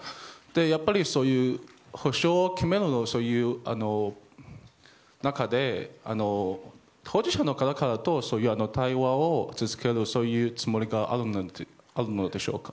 やっぱりそういう補償を決める中で当事者の方々と対話を続けるつもりがあるのでしょうか。